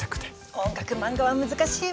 音楽漫画は難しいわよ。